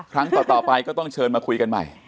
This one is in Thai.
ครั้งต่อไปก็ต้องเชิญมาคุยกันใหม่